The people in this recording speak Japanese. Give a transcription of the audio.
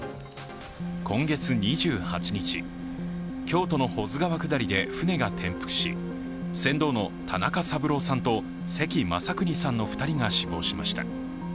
今月２８日、京都の保津川下りで舟が転覆し船頭の田中三郎さんと関雅有さんの２人が死亡しました。